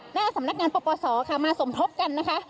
หน้าสำนักงานปฏิบัติศาสตร์ค่ะมาสมทบกันนะคะ